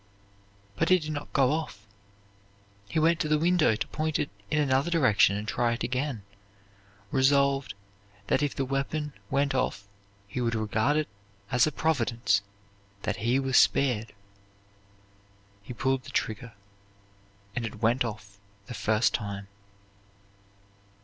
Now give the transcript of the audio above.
But it did not go off. He went to the window to point it in another direction and try it again, resolved that if the weapon went off he would regard it as a Providence that he was spared. He pulled the trigger and it went off the first time.